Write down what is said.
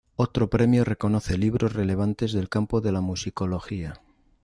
Otro premio reconoce libros relevantes del campo de la musicología.